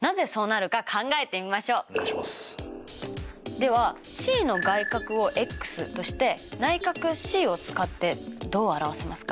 ではＣの外角をｘとして内角ｃを使ってどう表せますか？